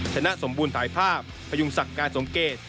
ชนะสมบูรณ์ถ่ายภาพพยุงศักดิ์การสมเกต